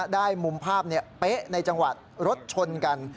ได้มุมภาพเป๊ะในจังหวัดรถชนกัน